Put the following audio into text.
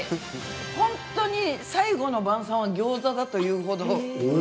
本当に最後の晩さんはギョーザだというほど。